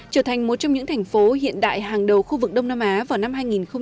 trở thành một trong những thành phố hiện đại hàng đầu khu vực đông nam á vào năm hai nghìn ba mươi